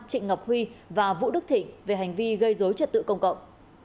trịnh ngọc huy và vũ đức thịnh về hành vi gây dối trật tự công cộng